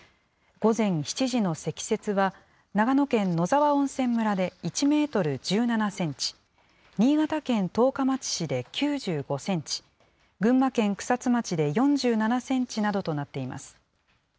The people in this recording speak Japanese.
午前７時の積雪は、長野県野沢温泉村で１メートル１７センチ、新潟県十日町市で９５センチ、群馬県草津町で４７センチなどとなっています。